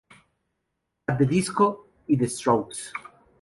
At The Disco y The Strokes.